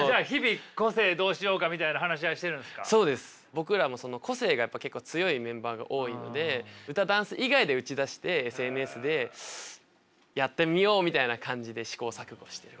僕らも個性がやっぱ結構強いメンバーが多いので歌ダンス以外で打ち出してＳＮＳでやってみようみたいな感じで試行錯誤してる。